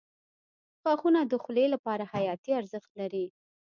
• غاښونه د خولې لپاره حیاتي ارزښت لري.